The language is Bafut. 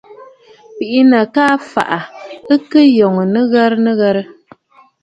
Bìʼinə̀ ka fàʼà, ɨ kɨ lɔ̀gə̀ nɨghərə nɨghərə.